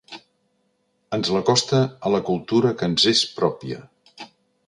Ens l'acosta a la cultura que ens és pròpia.